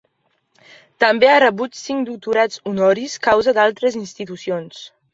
També ha rebut cinc doctorats honoris causa d'altres institucions.